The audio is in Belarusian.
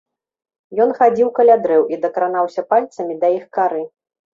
Ён хадзіў каля дрэў і дакранаўся пальцамі да іх кары.